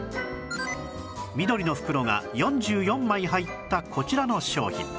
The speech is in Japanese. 緑の袋が４４枚入ったこちらの商品